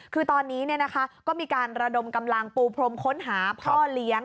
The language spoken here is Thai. คือตอนนี้ก็มีการระดมกำลังปูพรมค้นหาพ่อเลี้ยง